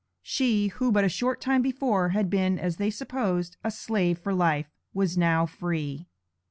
She, who but a short time before, had been, as they supposed, a slave for life, was now free.